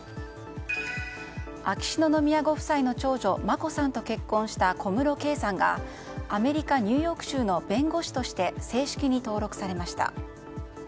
秋篠宮ご夫妻の長女眞子さんと結婚した小室圭さんがアメリカ・ニューヨーク州の弁護士として正式に登録されました。